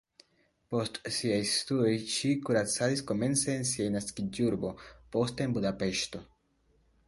Post siaj studoj ŝi kuracadis komence en sia naskiĝurbo, poste en Budapeŝto.